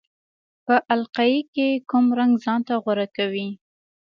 په القلي کې کوم رنګ ځانته غوره کوي؟